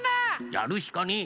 やるしかねえ！